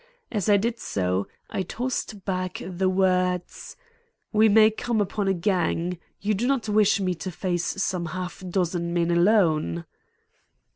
As I did so, tossed back the words: "We may come upon a gang. You do not wish me to face some half dozen men alone?"